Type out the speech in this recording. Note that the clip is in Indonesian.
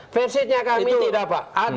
versinya kami tidak pak